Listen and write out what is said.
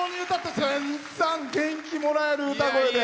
千さん、元気もらえる歌声で。